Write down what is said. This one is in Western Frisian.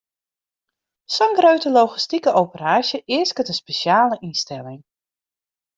Sa'n grutte logistike operaasje easket in spesjale ynstelling.